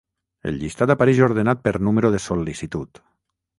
El llistat apareix ordenat per número de sol·licitud.